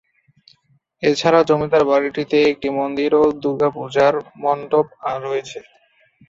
এছাড়াও জমিদার বাড়িটিতে একটি মন্দির ও দুর্গাপূজার মণ্ডপ রয়েছে।